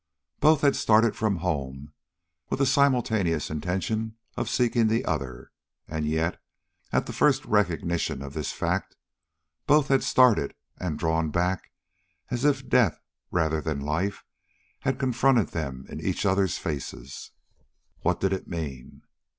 Both had started from home with a simultaneous intention of seeking the other, and yet, at the first recognition of this fact, both had started and drawn back as if death rather than life had confronted them in each other's faces. What did it mean?